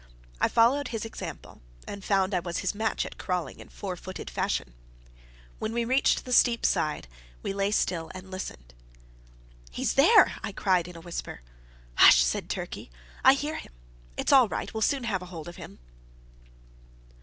I followed his example, and found I was his match at crawling in four footed fashion. When we reached the steep side, we lay still and listened. "He's there!" I cried in a whisper. "Sh!" said Turkey; "I hear him. It's all right. We'll soon have a hold of him."